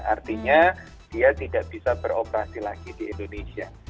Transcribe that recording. artinya dia tidak bisa beroperasi lagi di indonesia